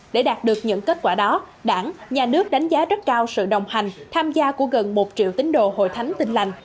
để đạt được những kết quả đó đảng nhà nước đánh giá rất cao sự đồng hành tham gia của gần một triệu tín đồ hội thánh tin lành